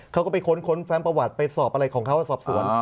เขาก็ไปค้นแฟ้มประวัติไปสอบอะไรของเขาสอบสวน